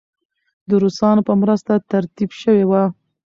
د روسانو په مرسته ترتیب شوې وه.